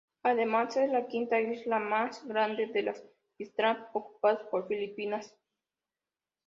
Además es la quinta isla más grande de las Spratly ocupadas por las Filipinas.